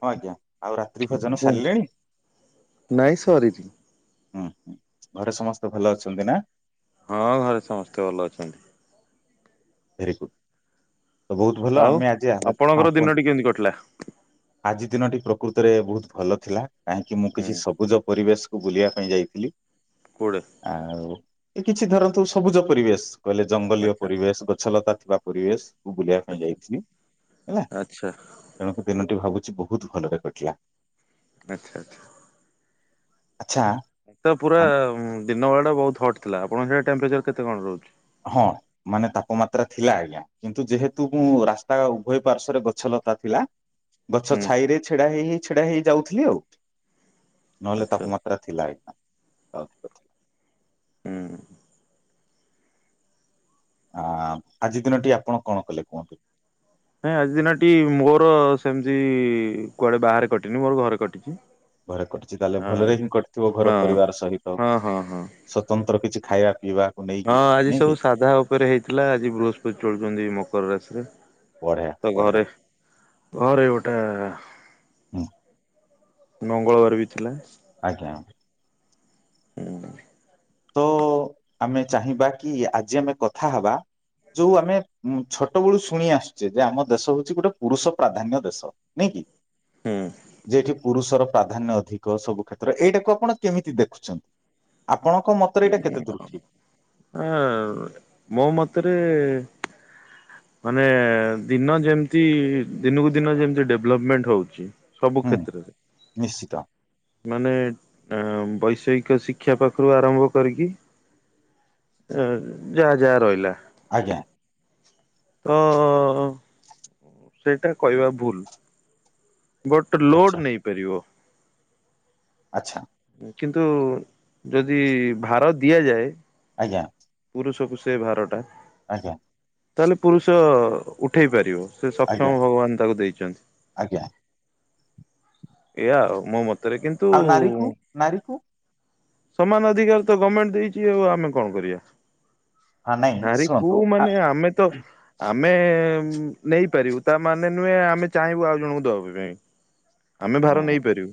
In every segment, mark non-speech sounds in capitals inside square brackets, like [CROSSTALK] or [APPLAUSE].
ହଁ ଆଜ୍ଞା। ଆଉ ରାତ୍ରି ଭୋଜନ କୁହନ୍ତୁ, ସାରିଲେଣି? ନାଇଁ ସରିନି। ହଁ ଘରେ ସମସ୍ତେ ଭଲ ଅଛନ୍ତି ନାଁ? ହଁ ଘରେ ସମସ୍ତେ ଭଲ ଅଛନ୍ତି। Very good. ତ ବହୁତ ଭଲ ଆଉ ଆମେ ଆଜି ଆବେତ ହଁ ଆପଣଙ୍କର କୁହନ୍ତୁ। ଦିନଟି କେମିତି କଟିଲା? ଆଜି ଦିନଟି ପ୍ରକୃତରେ ବହୁତ ଭଲ ଥିଲା କାହିଁକି ମୁଁ ହୁଁ କିଛି ସବୁଜ ପରିବେଶ ମୁଁ ବୁଲିବା ପାଇଁ ଯାଇଥିଲି। କୁଆଡେ? ଆଉଁ ଏ କିଛି ଧରନ୍ତୁ ସବୁଜ ପରିବେଶ କହିଲେ ଜଙ୍ଗଲୀୟ ଆଚ୍ଛା ପରିବେଶ ଗଛଲତା ଥିବା ପ୍ ପରିବେଶକୁ ବୁଲିବା ପାଇଁ ଆଚ୍ଛା ଯାଇଥିଲି ହେଲା ଆଚ୍ଛା ତେଣୁ ଦିନକ ଟି ଭାବୁଛି ବହୁତ ଭଲରେ କଟିଲା। ଆଚ୍ଛା ଆଚ୍ଛା। ଆଚ୍ଛା ଏତ ପୁରା ଦିନବେଳା ଟା ବହୁତ ହଟ୍ ଥିଲା ଆପଣଙ୍କ ସିଆଡେ ଟେମ୍ପରେଚର କେତେ କଣ ରହୁଛି? ହଁ ମାନେ ତାପମାତ୍ରା ଥିଲା ଆଜ୍ଞା। କିନ୍ତୁ ଯେହେତୁ ମୁଁ ରାସ୍ତା ଉଭୟ ପାର୍ଶ୍ଵରେ ଗଛ ଲତା ଥିଲା ଗଛ ହୁଁ ଛାଇରେ ଛିଡା ହେଇ ହେଇ ଛିଡା ହେଇ ଯାଉଁଥିଲି ଆଉ। ନହେଲେ ଆଚ୍ଛା ତାପମାତ୍ରା ମାତ୍ରା ଥିଲା ଆଜ୍ଞା ପାଉଛି ପଛେ। ହୁଁ। ଆଁ ଆଜି ଦିନଟି ଆପଣ କଣ କଲେ କୁହନ୍ତୁ? ନାଇଁ ଆଜି ଦିନଟି ମୋର ସେମିତି କୁଆଡେ ବାହାରେ କଟିନି ମୋର ଘରେ କଟିଛି। ଘରେ କଟିଛି ତାହେଲେ ହଁ ଭଲରେ ହିଁ କଟିଥିବ ଘର ହଁ ପରିବାର ସହିତ। ହଁ ହଁ ହଁ। ସ୍ଵତନ୍ତ୍ର କିଛି ଖାଇବା ପିଇବା। ହଁ ଆଜି ସବୁ ସାଧା ଉପରେ ହେଇଥିଲା ଆଜି ବୃହସ୍ପତି ଚଳୁଛନ୍ତି ମକର ରାଶିରେ। ବଢିଆ, ତ ଘରେ ବଢିଆ। ଘରେ ଗୋଟେ। ହୁଁ ମଙ୍ଗଳବାର ବି ଥିଲା। ଆଜ୍ଞା। ତ ଆମେ ଚାହିଁବା କି ଆଜି ଆମେ କଥା ହବା ଯୋଉ ଆମେ ଉ ଛୋଟ ବେଳୁ ଶୁଣି ଆସୁଛେ ଯେ ଆମ ଦେଶ ହଉଛି ଗୋଟେ ପୁରୁଷ ପ୍ରାଧାନ୍ୟ ଦେଶ। ନାଇଁ କି? ହୁଁ। ଯେ ଏଠି ପୁରୁଷର ପ୍ରାଧାନ୍ୟ ଅଧିକ ସବୁ କ୍ଷେତ୍ର ଏଇଟାକୁ ଆପଣ କେମିତି ଦେଖୁଛନ୍ତି? ଆପଣ ଙ୍କ ମତରେ ଏଟା କେତେ ଦୂର ଠିକି। ଆ ଅ ମୋ ମତରେ ମାନେ ଦିନ ଯେମିତି ଦିନକୁ ଦିନ ଯେମିତି ଡେଭଲପମେଣ୍ଟ ହଉଚି। ସବୁ ହୁଁ କ୍ଷେତ୍ରରେ ନିଶ୍ଚିତ। ମାନେ ବୈଷୟିକ ଶିକ୍ଷା ପାଖରୁ ଆରମ୍ଭ କରିକି ତା ଯାହା ଯାହା ରହିଲା। ଆଜ୍ଞା। ତ ସେଇଟା କହିବା ଭୁଲୁ। ବଟ ଆଚ୍ଛା ଲୋଡ ନେଇପାରିବ। ଆଚ୍ଛା। କିନ୍ତୁ ଯଦି ଭାର ଦିଆଯାଏ ଆଜ୍ଞା। ପୁରୁଷକୁ ସେ ଭାରଟା ଆଜ୍ଞା। ତାହେଲେ ପୁରୁଷ ଉଠେଇ ପାରିବ ସେ ଆଜ୍ଞା ସକ୍ଷମ ଭଗବାନ ତାକୁ ଦେଇଛନ୍ତି। ଆଜ୍ଞା। ଏଇଆ ଆଉ ମୋ ମତରେ। କିନ୍ତୁ ଆଉ ନାରୀକୁ ନାରୀକୁ ସମାନ ଅଧିକାର ତ ଗମେଣ୍ଟେ ଦେଇଚି ଆଉ ଆମେ କଣ କରିବା? ହଁ ନାଇଁ ନାରୀ କୁ ଶୁଣନ୍ତୁ ଆ ମାନେ ଆମେ ତ ଆମେ ନେଇପାରିବୁ ତା ମାନେ ନୁହେଁ ଆମେ ଚାହିଁବୁ ଆଉ ଜଣଙ୍କୁ ଦବା ପାଇଁ। ଆମେ ଏ, ଭାର ନେଇପାରିବୁ।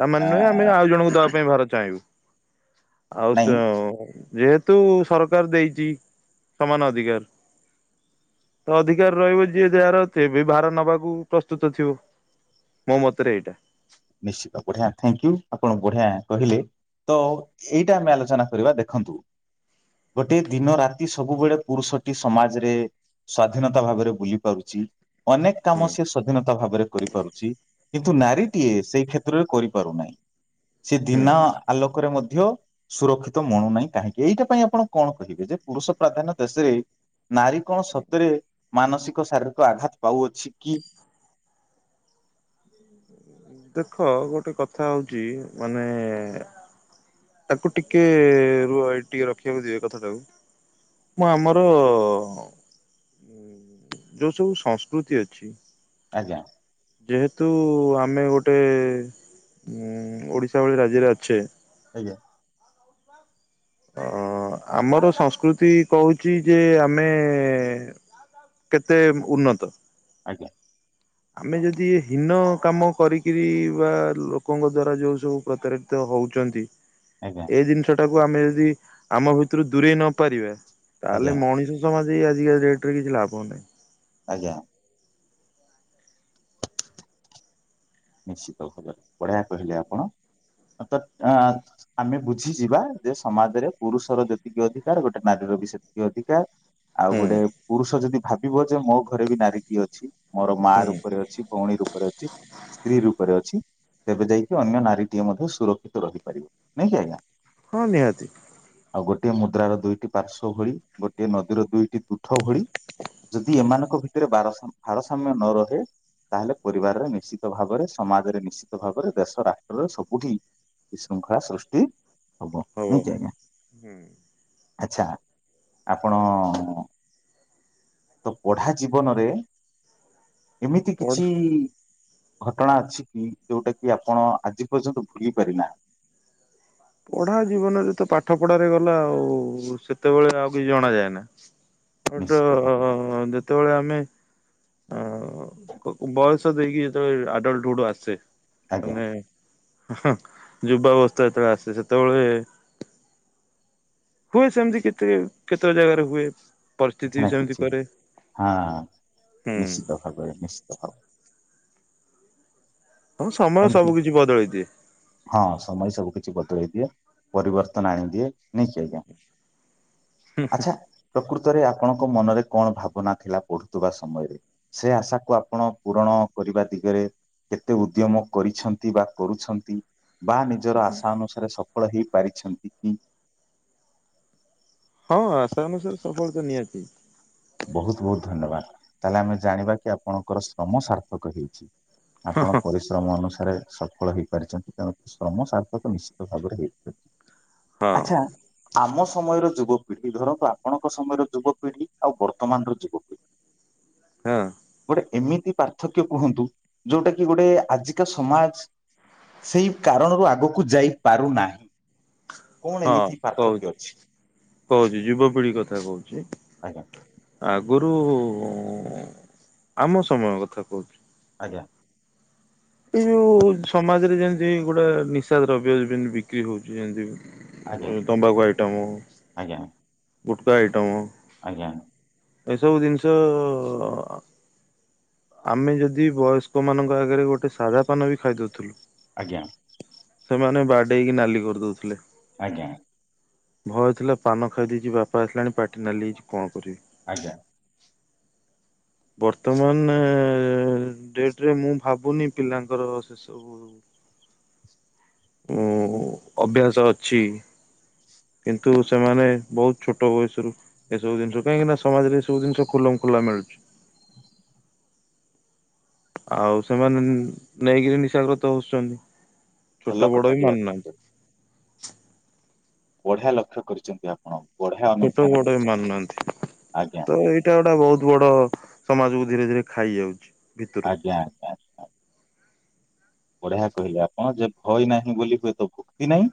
ତା ମାନେ ଆ, ନୁହେଁ ଆମେ ଆଉ ଜଣଙ୍କୁ ଦବା ପାଇଁ ଭାର ଚାହିଁବୁ। ଆଉ ସେ ନାଇଁ ଆଉ ଯେହେତୁ ସରକାର ଦେଇଛି ସମାନ ଅଧିକାର ତ ଅଧିକାର ରହିବ ଯିଏ ଯାହାର ସେବି ଭାର ନବାକୁ ପ୍ରସ୍ତୁତ ଥିବ। ମୋ ମତରେ ଏଇଟା। ନିଶ୍ଚିତ ବଢିଆ ଥ୍ୟାଙ୍କ ୟୁ। ଆପଣ ବଢିଆ କହିଲେ। ତ ଏଇଟା ଆମେ ଆଲୋଚନା କରିବା ଦେଖନ୍ତୁ ଗୋଟେ ଦିନ ରାତି ସବୁବେଳେ ପୁରୁଷଟି ସମାଜରେ ସ୍ଵାଧୀନତା ଭାବରେ ବୁଲି ପାରୁଚି। ଅନେକ ହୁଁ କାମ ସେ ସ୍ଵାଧୀନତା ଭାବରେ କରିପାରୁଚି। କିନ୍ତୁ ନାରୀ ଟିଏ ସେଇ କ୍ଷେତ୍ରରେ କରିପାରୁନାହିଁ। ସେ ହୁଁ। ଦିନ ଆଲୋକରେ ମଧ୍ୟ ସୁରକ୍ଷିତ ମଣୁନାହିଁ କାହିଁକି? ଏଇଟା ପାଇଁ ଆପଣ କଣ କହିବେ। ଯେ ପୁରୁଷ ପ୍ରାଧାନ୍ୟ ଦେଶରେ ନାରୀ କଣ ସତରେ ମାନସିକ ଶାରୀରିକ ଆଘାତ ପାଉଅଛି କି? ଦେଖ ଗୋଟେ କଥା ହଉଚି ମାନେ ତାକୁ ଟିକେ ରୁହ ଏଇଟି ଟିକେ ରଖିବାକୁ ଦିଅ କଥା ଟାକୁ। ମୁଁ ଆମର। ଯୋଉ ସବୁ ସଂସ୍କୃତି ଅଛି ଆଜ୍ଞା ଆଜ୍ଞା। ଯେହେତୁ ଆମେ ଗୋଟେ ଓଡ଼ିଶା ଭଳି ରାଜ୍ୟରେ ଅଛେ ଆଜ୍ଞା। ଅ ଆମର ସଂସ୍କୃତି କହୁଛି ଯେ ଆମେ କେତେ ଉନ୍ନତ। ଆଜ୍ଞା। ଆମେ ଯଦି ହୀନ କାମ କରିକିରି ବା ଲୋକଙ୍କ ଦ୍ଵାରା ଯୋଉ ସବୁ ପ୍ରତାରେ ତ ହଉଛନ୍ତି। ଆଜ୍ଞା। ସେ ଜିନିଷ ଟାକୁ ଆମେ ଯଦି ଆମ ଭିତରୁ ଦୂରେଇ ନ ପାରିବା ଆଜ୍ଞା ତାହେଲେ ମଣିଷ ଜମା ଦେଇ ଆଜିକା ଡେଟ ରେ କିଛି ଲାଭ ନାହଁ। ଆଜ୍ଞା। ନିଶ୍ଚିତ ଭାବରେ ବଢିଆ କହିଲେ ଆପଣ ଅ ତତ ଆଁ ଆମେ ବୁଝିଯିବା ଯେ ସମାଜରେ ପୁରୁଷର ଯେତିକି ଅଧିକାର ଗୋଟେ ନାରୀର ବି ସେତିକି ଅଧିକାର ଆଉ ହୁଁ ଗୋଟେ ପୁରୁଷ ଯଦି ଭାବିବ ଯେ ମୋ ଘରେ ବି ନାରୀଟିଏ ଅଛି ମୋର ମା ହୁଁ। ରୂପରେ ଅଛି ଭଉଣୀ ରୂପରେ ଅଛି ସ୍ତ୍ରୀ ରୂପରେ ଅଛି ତେବେ ଯାଇକି ଅନ୍ୟ ନାରୀଟିଏ ମଧ୍ୟ ସୁରକ୍ଷିତ ରହିପାରିବ ନାଇଁକ କି ଆଜ୍ଞା? ହଁ ନିହାତି। ଆଉ ଗୋଟିଏ ମୁଦ୍ରାର ଦୁଇଟି ପାର୍ଶ ଭଳି ଗୋଟିଏ ନଦୀର ଦୁଇଟି ତୁଠ ଭଳି ଯଦି ଏମାନଙ୍କ ଭିତରେ ବରସମ୍ ଭାରସାମ୍ୟ ନ ରହେ ତାହେଲେ ପରିବାରରେ ମିଶି ତ ଭାବରେ ସମାଜରେ ନିଶ୍ଚିତ ଭାବରେ ଦେଶ ରାଷ୍ଟ୍ରରେ ସବୁଠି ବିଶୃଙ୍ଖଳା ସୃଷ୍ଟି ହବ ନାଇକି ଆଜ୍ଞା ହୁଁ ଆଚ୍ଛା ଆପଣ ତ ପଢା ଜୀବନରେ ଏମିତି ପଢା କିଛି ଘଟଣା ଅଛି କି ଯୋଉଟା କି ଆପଣ ଆଜି ପର୍ଯ୍ୟନ୍ତ ଭୁଲି ପାରିନା ପଢା ଜୀବନରେ ତ ପାଠ ପଢାରେ ଗଲା ଆଉ ସେତେବେଳେ ଆଉ କିଛି ଜଣା ଯାଏ ନା। [UNINTELLIGIBLE] ଟ ଭାବରେ ଯେତେବେଳେ ଆମେ ଆ ବୟସ ଦେଇକି ଯେତେବେଳେ ଆଡଲ୍ଟ ହୁଡ ଆସେ ଆଜ୍ଞା ମାନେ ହୁଁ ଯୁବା ଅବସ୍ଥା ଯେତେବେଳେ ଆସେ ସେତେବେଳେ ହୁଏ ସେମତି କେତେ କେତେବେ ଜାଗାରେ ହୁଏ। କିଛି ପରିସ୍ଥିତି ବି ନା ସେମିତି କିଛି କରେ ହଁ ହୁଁ। ନିଶ୍ଚିତ ଭାବରେ ନିଶ୍ଚତ ଭାବ ହଁ ମ ସମୟ ଏମିତି ସବୁ କିିଛି ବଦଳେଇ ଦିଏ। ହଁ ସମୟ ସବୁ କିଛି ବଦଳେଇ ଦିଏ ପରିବର୍ତ୍ତନ ଆଣିଦିଏ ନାଇକି ଆଜ୍ଞା ଆଛା ପ୍ରକୃତରେ ଆପଣଙ୍କ ମନରେ କଣ ଭାବନା ଥିଲା ପଢୁଥିବା ସମୟରେ? ସେ ଆଶାକୁ ଆପଣ ପୂରଣ କରିବା ଦିଗରେ କେତେ ଉଦ୍ୟମ କରିଛନ୍ତି ବା କରୁଛନ୍ତି ବା ନିଜର ଆଶା ଅନୁସାରେ ସଫଳ ହେଇପାରିଛନ୍ତି କି? ହଁ ଆଶା ଅନୁସାରେ ସଫଳତା ନିହାତି। ବହୁତ ବହୁତ ଧନ୍ୟବାଦ ତାହେଲେ ଆମେ ଜାଣିବା କି ଆପଣଙ୍କର ଶ୍ରମ ସାର୍ଥକ ହେଇଛି। ଆପଣ ହଁ ପରିଶ୍ ଶ୍ରମ ଅନୁସାରେ ସଫଳ ହେଇପାରିଛନ୍ତି ତେଣୁ ଶ୍ରମ ସାର୍ଥକ ନିଶ୍ଚିତ ଭାବରେ ହେଇପାରିଚି। ଆଚ୍ଛା ଆମ ସମୟର ଯୁବପିଢି ଧରନ୍ତୁ ଆପଣଙ୍କ ସମୟର ଯୁବପିଢି ଆଉ ବର୍ତ୍ତମାନ ର ଯୁବପିଢ଼ି ହଁ। ଏମିତି ପାର୍ଥକ୍ୟ କୁହନ୍ତୁ ଯୋଉଟା କି ଗୋଟେ ଆଜିକା ସମାଜ ସେଇ କାରଣରୁ ଆଗକୁ ଯାଇ ପାରୁନା। ହଁ କହୁଛି ଅଛି? କହୁଛି ଯୁବପିଢି କଥା କହୁଛି। ଆଜ୍ଞା। ଆଗରୁ ଆମ ସମୟ କଥା କହୁଛି। ଆଜ୍ଞା। ଏଇ ଯଉ ସମାଜରେ ଯେମିତି ଗୋଟେ ନିଶା ଦ୍ରବ୍ୟ ବିକ୍ରି ହଉଛି ଆଜ୍ଞା ଯେମତି। ତମ୍ବାଖୁ ଆଇଟମ୍ ଆଜ୍ଞା ଗୁଟକା ଆଇଟମ୍। ଆଜ୍ଞା। ଏସବୁ ଜିନିଷ ଆମେ ଯଦି ବୟସ୍କ ମାନଙ୍କ ଆଗରେ ଗୋଟେ ସାଧା ପାନ ବି ଖାଇଦଉଥିଲୁ ଆଜ୍ଞା। ସେମାନେ ବାଡେଇକି ନାଲି କରିଦଉଥିଲେ। ଆଜ୍ଞା। ଭୟ ଥିଲା ପାନ ଖାଇ ଦେଇଛି ବାପା ଆସିଲାଣି ପାଟି ନାଲିହେଇଛି କଣ କରିବି। ଆଜ୍ଞା। ବର୍ତ୍ତମାନେ ଡେଟରେ ମୁଁ ଭାବୁନି ପିଲାଙ୍କର ସେ ସବୁ ଉ ଅଭ୍ୟାସ ଅଛି। କିନ୍ତୁ ସେମାନେ ବହୁତ ଛୋଟ ବୟସରୁ ଏସବୁ ଜିନିଷ କାହିଁକିନା ସମାଜରେ ଏ ସବୁ ଜିନିଷ ଖୁଲମଖୁଲା ମିଳୁଛି। ଆଉ ସେମାନେ ନେଇକିରି ନିଶାଗ୍ରତ ହଉଛନ୍ତି ଭଲ ଛୋଟ ବଡ ବି କଥାଟି ଆପଣ ମାନୁନାହାନ୍ତି। କହିଲେ ବଢିଆ ଲକ୍ଷ୍ୟ କରିଛନ୍ତି ଆପଣ। ବଢିଆ ଛୋଟ ଅନୁଧ୍ୟାନ ବଡ଼ ବି କରିଛନ୍ତି ମାନୁନାହାନ୍ତି ଆଜ୍ଞା ତ ଏଇ ଏଇଟା ଗୁଟା ବହୁତ ବଡ ସମାଜ କୁ ଧୀରେ ଧୀରେ ଖାଇ ଯାଉଛି। ଭିତରୁ ଆଜ୍ଞା। ଆଜ୍ଞା ବଢିଆ କହିଲେ ଆପଣ ଯେ ଭୟ ନାହିଁ ବୋଲି ହୁଏତ ଭକ୍ତି ନାହିଁ।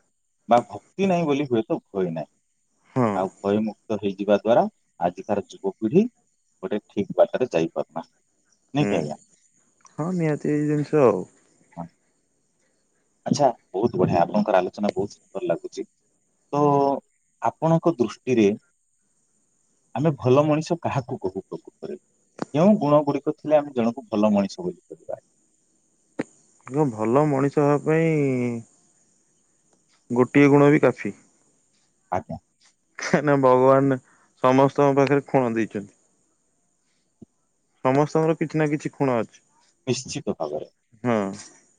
ବା ଭକ୍ତି ନାହିଁ ବୋଲି ହୁଏତ ଭୟ ନାହିଁ ହଁ ଆଉ ଭୟ ମୁ କ୍ତ ହେଇଯିବା ଦ୍ଵାରା ଆଜିିକାର ଯୁବପିଢି ଗୋଟେ ଠିକ୍ ବାଟରେ ଯାଇପାରୁନାହାନ୍ତି। ନାଇଁ ହୁଁ କି ଆଜ୍ଞା। ହଁ ନିହାତି ଏଇ ଜିନିଷ। ହଁ। ଆଚ୍ଛା ବହୁତ ବଢିଆ ଆପଣଙ୍କର ଆଲୋଚନା ବହୁତ ଭଲ ଲାଗୁଛି। ତ ଆପଣଙ୍କ ଦୃଷ୍ଟିରେ ଆମେ ଭଲ ମଣିଷ କାହାକୁ କହୁ ପ୍ରକୃତରେ? କେଉଁ ଗୁଣ ଗୁଡିକ ଥିଲେ ଆମେ ଜଣକୁ ଭଲ ମଣିଷ ବୋଲି କହିବା। ଏକ ଭଲ ମଣିଷ ହେବା ପାଇଁ ଗୋଟିଏ ଗୁଣ ବି କାଫି। ଆଜ୍ଞା। କାହିଁକି ନା ଭଗବାନ ସମସ୍ତଙ୍କ ପାଖରେ ଖୁଣ ଦେଇଛନ୍ତି। ସମସ୍ତଙ୍କର କିଛି ନା କିଛି ଖୁଣ ଅଛି। ନିଶ୍ଚିତ ଭାବରେ। ହଁ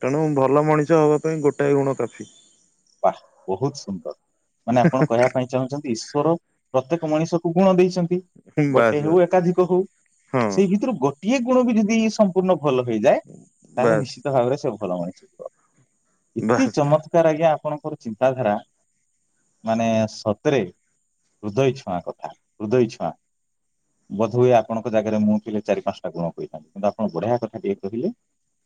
ତେଣୁ ଭଲ ମଣିଷ ହବା ପାଇଁ ଗୋଟାଏ ଗୁଣ କାଫି। ବା ବହୁତ ସୁନ୍ଦର ମାନେ ଆପଣ କହିବା ପାଇଁ ଚାହୁଁଛନ୍ତି ଈଶ୍ୱର ପ୍ରତ୍ୟେକ ମଣିଷକୁ ଗୁଣ ଦେଇଛନ୍ତି। ହୁଁ ଗୋଟେ ବାସ୍ ହଉ ବାସ୍ ଏକାଧିକ ହଉ ହଁ ସେଇ ଭିତରୁ ଗୋ ଟିଏ ଗୁଣ ବି ଯଦି ସମ୍ପୂର୍ଣ୍ଣ ଭଲ ହେଇଯାଏ। ତାହେଲେ ବାସ୍ ନିଶ୍ଚିତ ନିଶ୍ଚିତ ଭାବରେ ସେ ଭଲ ମଣିଷ ଥିବ ଏତେ ବାସ୍। ଚମତ୍କାର ଆଜ୍ଞା ଆପଣଙ୍କର ଚିନ୍ତାଧାରା। ମାନେ ସତରେ ହୃଦୟ ଛୁଆଁ କଥା ହୃଦୟ ଛୁଆଁ। ବୋଧହୁଏ ଆପଣଙ୍କ ଜାଗାରେ ମୁଁ ଥିଲେ ଚାରି ପାଞ୍ଚଟା ଗୁଣ କହିଥାନ୍ତି କିନ୍ତୁ ଆପଣ ବଢିଆ କଥା ଟିଏ କହିଲେ।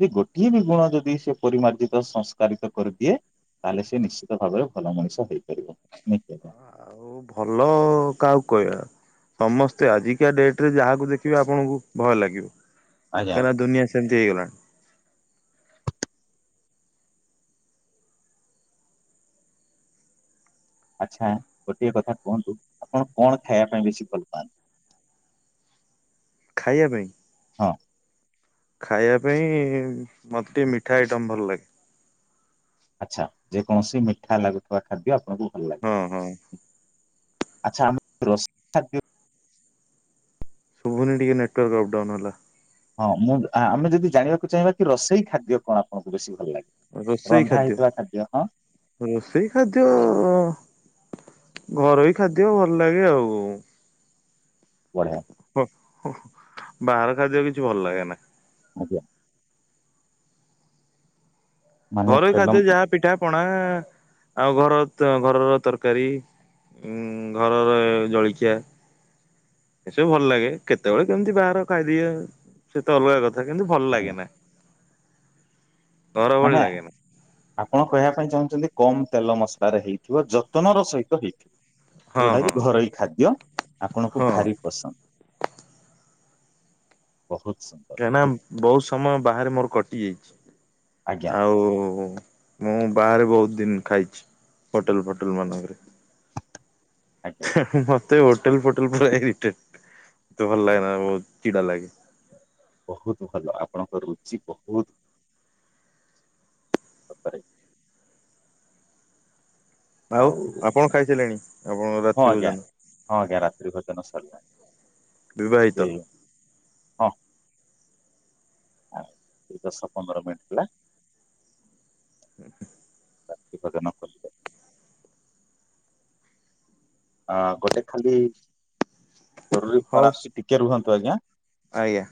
କି ଗୋଟିଏ ବି ଗୁଣ ଯଦି ସେ ପରିମାର୍ଜିତ ସଂସ୍କାରିତ କରିଦିଏ। ତାହେଲେ ସେ ନିଶ୍ଚିତ ଭାବରେ ଭଲ ମଣିଷ ହେଇପାରିବ ନିଶ୍ଚିତ। ଆଉ ଭଲ କାହାକୁ କହିବା। ସମସ୍ତେ ଆଜିକା ଡେଟ ରେ ଯାହାକୁ ଦେଖିବେ ଆପଣଙ୍କୁ ଭୟ ଲାଗିବ। ଆଜ୍ଞା। କାହିଁନା ଦୁନିଆ ସେମିତି ହେଇଗଲାଣି। ଆଚ୍ଛା ଗୋଟିଏ କଥା କୁହନ୍ତୁ ଆପଣ କଣ ଖାଇବା ପାଇଁ ବେଶୀ ଭଲ ପାଆନ୍ତି? ଖାଇବା ପାଇଁ। ହଁ। ଖାଇବା ପାଇଁ ମୋତେ ଟିକେ ମିଠା ଆଇଟମ୍ ଭଲ ଲାଗେ। ଆଚ୍ଛା ଯେ କୌଣସି ମିଠା ଲାଗୁଥିବା ଖାଦ୍ୟ ଆପଣଙ୍କୁ ଭଲ ହଁ ହଁ। ଲାଗେ। ଆଚ୍ଛା ଆମ ରସ୍ ଖାଦ୍ୟ ପୁଣି ଟିକେ ନେଟୱର୍କ ଅପଡାଉନ ହେଲା। ହଁ ମୁଁ ଆମେ ଯଦି ଜାଣିବାକୁ ଚାହିଁବା କି ରଷେଇ ଖାଦ୍ୟ କଣ ଆପଣଙ୍କୁ ବେଶୀ ଭଲ ଲାଗେ। ରୋଷେଇ ରନ୍ଧା ଖାଦ୍ୟ ହେଇଥିବା ହଁ ରୋଷେଇ ଖାଦ୍ୟ ଅ ଘରୋଇ ଖାଦ୍ୟ ଭଲ ଲାଗେ ଆଉ ଉଁ। ବଢ଼ିଆ। ହଁ ହୁଁ ବାହାର ଖାଦ୍ୟ କିଛି ଭଲ ଲାଗେ ନା। ଆଜ୍ଞା। ମାନେ ଘରୋଇ ତେଲ ଖାଦ୍ୟ ଯାହା ପିଠା ପଣା ଆଁ ଆଁ ଆଉ ଘର ଘରର ତରକାରୀ। ଉଁ ଉଁ ଘରରେ ଜଳଖିଆ। ଏସବୁ ଭଲ ଲାଗେ। କେତେବେଳେ କେମିତି ବାହାର ଖାଇଦିଏ ସେତ ଅଲଗା କଥା କିନ୍ତୁ ଭଲ ଲାଗେ ନା। ଭଳି ମାନେ ଲାଗେନା ଆପଣ କହିବା ପାଇଁ ଚାହୁଁଚନ୍ତି କମ ତେଲ ମସଲାରେ ହେଇଥିବ। ଯତନର ସହିତ ହେଇଥିବ। ହଁ ଯଉଟା କି ହଁ ଘରୋଇ ଖାଦ୍ୟ ଆପଣଙ୍କୁ ହଁ ଭାରି ପସନ୍ଦ ବହୁତ ସନ୍ଦ। କାହିଁ ନା ବହୁତ ସମୟ ବାହାରେ ମୋର କଟି ଯାଇଚି ଆଜ୍ଞା ଆଉ ଉଁ ଉଁ ମୁଁ ବାହାରେ ବହୁତ ଦିନ୍ ଖାଇଛି ହୋଟେଲ ଫୋଟେଲ ମାନଙ୍କରେ। ଆଜ୍ଞା। ହଁ ହଁ ମତେ ହୋଟେଲ ଫୋଟେଲ ପୁର ଇରିଟେଟ୍ ମତେ ଭଲ ଲାଗେନା ବହୁତ ଚିଡ଼ା ଲାଗେ। ବହୁତ୍ ଭଲ ଆପଣଙ୍କ ରୁଚି ବହୁତ, ସତରେ ଆଉ ଆପଣ ଖାଇ ସାରିଲେଣି ଆପଣଙ୍କ ହଁ ରାତ୍ରି ଆଜ୍ଞା ଭୋଜନ। ହଁ ଆଜ୍ଞା ରାତ୍ରି ଭୋଜନ ସରିଲାଣି ବିବାହିତ ଏଠି ହଁ। ଆଉ ଏଇ ଦଶ ପନ୍ଦର ମିନିଟ୍ ହେଲା। ହ [INAUDIBLE] [INAUDIBLE] ଆ ଗୋଟେ ଖାଲି ଜରୁରୀ ହଉ କଲ୍ ଆସୁଚି ଟିକେ ରୁହନ୍ତୁ ଆଜ୍ଞା। ଆଜ୍ଞା।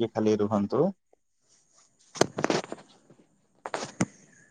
ଟିକିଏ ଖାଲି ରୁହନ୍ତୁ [INAUDIBLE]